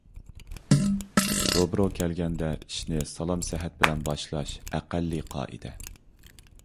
روبىرو كەلگەندە ئىشنى سالام - سەھەت بىلەن باشلاش ئەقەللىي قائىدە.